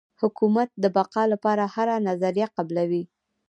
حکومت د بقا لپاره هره نظریه قبلوي.